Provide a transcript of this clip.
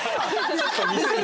ちょっと見せるの？